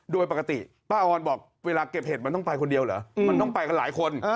โดยปกติป้าออนบอกเวลาเก็บเห็ดมันต้องไปคนเดียวเหรอมันต้องไปกันหลายคน